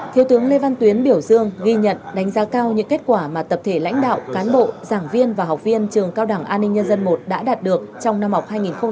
thiếu tướng lê văn tuyến biểu dương ghi nhận đánh giá cao những kết quả mà tập thể lãnh đạo cán bộ giảng viên và học viên trường cao đảng an ninh nhân dân i đã đạt được trong năm học hai nghìn một mươi chín hai nghìn hai mươi